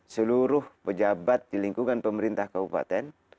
seluruh pejabat di lingkungan pemerintah kabupaten